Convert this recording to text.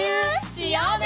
しようね！